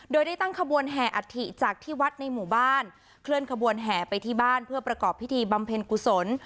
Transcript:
โดยได้ตั้งขบวนแห่อัฐิจากที่วัดในหมู่บ้านเคลื่อนขบวนแห่ไปที่บ้านเพื่อประกอบพิธีบำเพ็ญกุศล